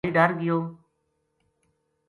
بھائی ڈر گیو